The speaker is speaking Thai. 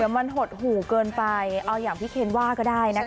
มันหดหู่เกินไปเอาอย่างพี่เคนว่าก็ได้นะคะ